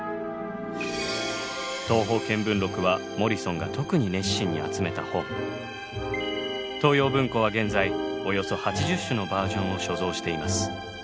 「東方見聞録」はモリソンが東洋文庫は現在およそ８０種のバージョンを所蔵しています。